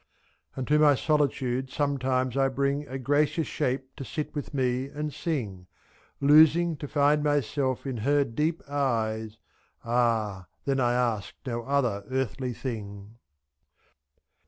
32 And to my solitude sometimes I bring A gracious shape to sit with me and sing, 3 y Losing, to find, myself in her deep eyes — Ah ! then I ask no other earthly thing.